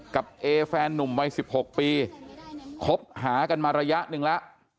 เอแฟนนุ่มวัย๑๖ปีคบหากันมาระยะหนึ่งแล้ว